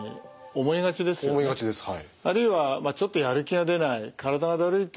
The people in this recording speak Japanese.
思いがちですはい。